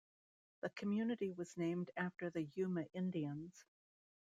The community was named after the Yuma Indians.